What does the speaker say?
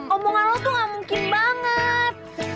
omongan lo tuh gak mungkin banget